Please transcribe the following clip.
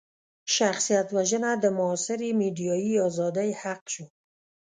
شخصيت وژنه د معاصرې ميډيايي ازادۍ حق شو.